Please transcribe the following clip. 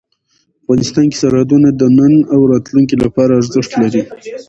افغانستان کې سرحدونه د نن او راتلونکي لپاره ارزښت لري.